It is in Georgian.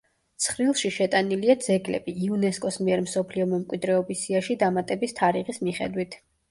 ცხრილში შეტანილია ძეგლები, იუნესკოს მიერ მსოფლიო მემკვიდრეობის სიაში დამატების თარიღის მიხედვით.